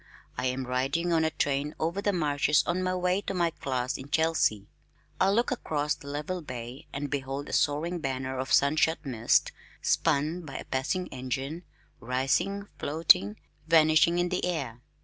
I am riding on a train over the marshes on my way to my class in Chelsea. I look across the level bay and behold a soaring banner of sunshot mist, spun by a passing engine, rising, floating, vanishing in the air....